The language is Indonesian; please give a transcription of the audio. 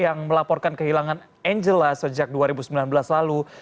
yang melaporkan kehilangan angela sejak dua ribu sembilan belas lalu